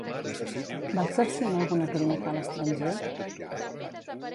Va exercir en alguna clínica a l'estranger?